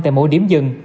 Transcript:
tại mỗi điểm dừng